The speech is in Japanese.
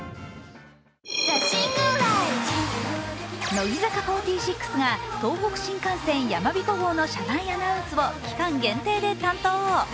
乃木坂４６が東北新幹線やまびこ号の車内アナウンスを期間限定で担当。